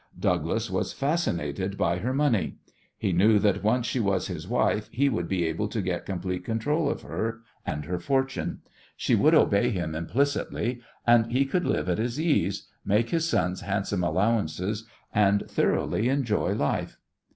Douglas was fascinated by her money. He knew that once she was his wife he would be able to get complete control of her and her fortune. She would obey him implicitly, and he could live at his ease, make his sons handsome allowances, and thoroughly enjoy life.